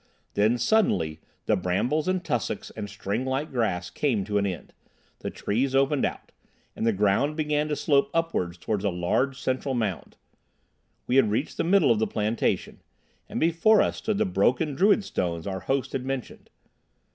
Then, suddenly, the brambles and tussocks and stringlike grass came to an end; the trees opened out; and the ground began to slope upwards towards a large central mound. We had reached the middle of the plantation, and before us stood the broken Druid stones our host had mentioned.